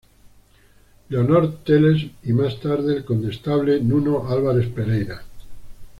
Leonor Teles, y más tarde el Condestable Nuno Álvares Pereira.